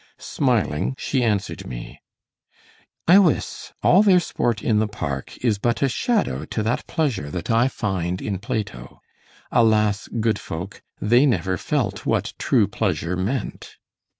Smiling she answered me: "Iwisse, all their sport in the park is but a shadow to that pleasure that I find in Plato. Alas! good folk, they never felt what true pleasure meant."